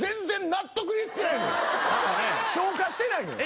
消化してないのよ。